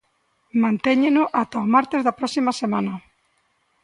Mantéñeno ata o martes da próxima semana.